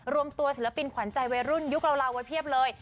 รวมตัวศิลปินขวัญใจวัยรุ่นยุคลาวไว้เพียบเลย